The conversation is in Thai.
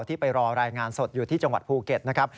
ที่ไปรอรายงานสดอยู่ที่จังหวัดภูเก็ตนะครับ